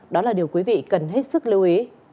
đó là điều quý vị cần hết sức lưu ý